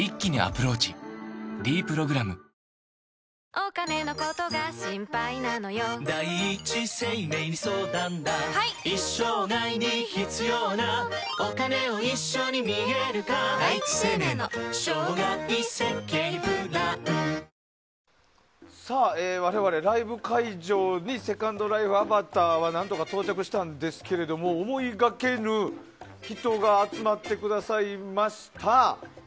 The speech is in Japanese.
「ｄプログラム」我々、ライブ会場にセカンドライフアバターは何とか到着したんですが思いがけぬ人が集まってくださいました。